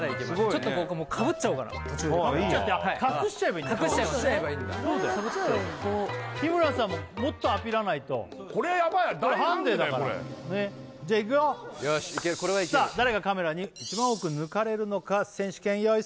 ちょっと僕もうかぶっちゃおうかな隠しちゃえばいいんだ隠しちゃえばいいのか日村さんももっとアピらないとこれヤバいじゃいくよよしいけるこれはいける誰がカメラに一番多く抜かれるのか選手権用意